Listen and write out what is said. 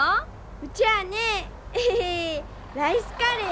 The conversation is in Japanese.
うちゃあねエヘヘライスカレー！